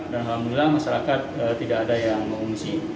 dan alhamdulillah masyarakat tidak ada yang mengumusi